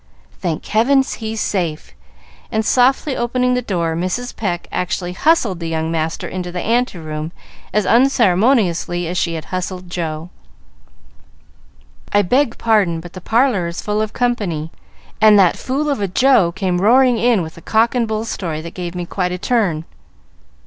"Thank heaven, he's safe!" and, softly opening the door, Mrs. Pecq actually hustled the young master into the ante room as unceremoniously as she had hustled Joe. "I beg pardon, but the parlor is full of company, and that fool of a Joe came roaring in with a cock and bull story that gave me quite a turn.